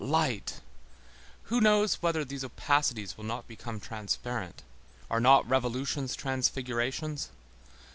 Light! Who knows whether these opacities will not become transparent? Are not revolutions transfigurations?